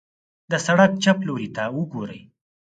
د سړک چپ لورته وګورئ.